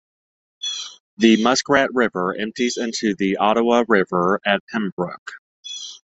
The Muskrat River empties into the Ottawa River at Pembroke.